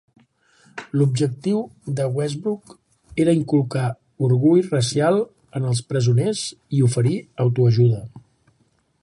L'objectiu de Westbrook era inculcar orgull racial en els presoners i oferir autoajuda.